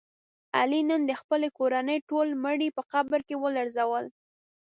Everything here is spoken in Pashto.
علي نن د خپلې کورنۍ ټول مړي په قبر کې ولړزول.